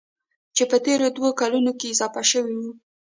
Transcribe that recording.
چې په تېرو دوو کلونو کې اضافه شوي وو.